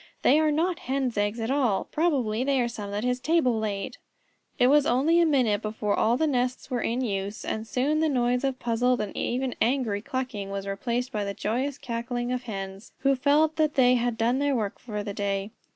"They are not Hens' eggs at all. Probably they are some that his table laid." It was only a minute before all the nests were in use, and soon the noise of puzzled and even angry clucking was replaced by the joyous cackling of Hens who felt that they had done their work for the day.